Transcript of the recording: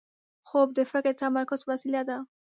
خوب د فکر د تمرکز وسیله ده